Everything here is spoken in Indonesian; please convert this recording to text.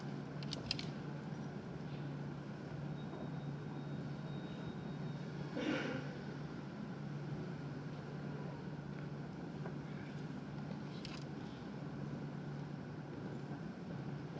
hai kemudian kita sanding kan juga dengan kamera yang berbeda